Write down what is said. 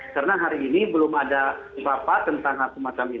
karena hari ini belum ada kesempatan tentang akumat kami